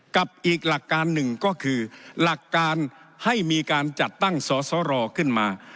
กับอีกหลักการหนึ่งก็คือหลักการให้มีการจัดตั้งสอสรขึ้นมา